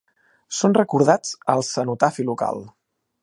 Són recordats al cenotafi local.